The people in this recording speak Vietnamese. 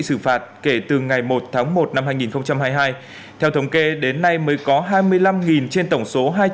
xử phạt kể từ ngày một tháng một năm hai nghìn hai mươi hai theo thống kê đến nay mới có hai mươi năm trên tổng số